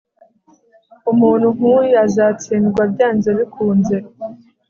Umuntu nkuyu azatsindwa byanze bikunze